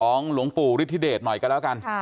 หลวงปู่ฤทธิเดชหน่อยกันแล้วกัน